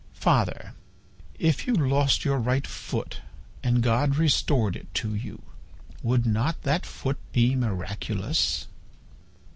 "Father, if you lost your right foot and God restored it to you, would not that foot be miraculous?"